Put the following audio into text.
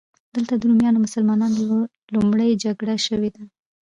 دلته د رومیانو او مسلمانانو لومړۍ جګړه شوې ده.